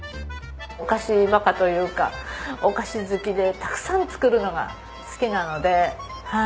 お菓子バカというかお菓子好きでたくさん作るのが好きなのではい。